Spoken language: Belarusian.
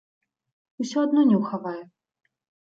Усё адно не ўхавае.